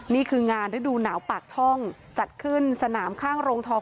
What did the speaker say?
นี่คืองานฤดูหนาวปากช่องจัดขึ้นสนามข้างโรงทอง